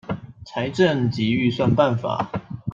財政及預算辦法